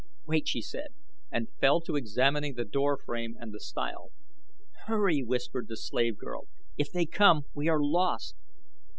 "Wait!" she said, and fell to examining the door frame and the stile. "Hurry!" whispered the slave girl. "If they come we are lost."